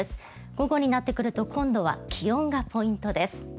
午後になってくると今度は気温がポイントです。